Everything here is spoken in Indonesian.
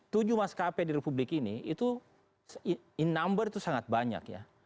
tujuh maskapai di republik ini itu in number itu sangat banyak ya